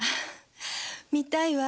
見たいわ。